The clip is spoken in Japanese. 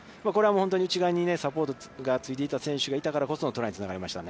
一丸にサポートがついていた選手がいたからこそトライにつながりましたね。